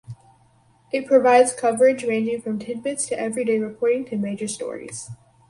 It provides coverage ranging from tidbits to everyday reporting to major stories.